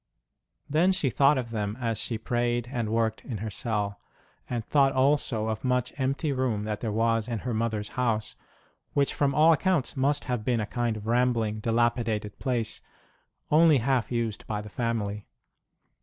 Then she thought of them as she prayed and worked in her cell ; and thought also of much empty room that there was in her mother s house, which from all accounts must have been a kind of rambling, dilapidated place, only half used by the family.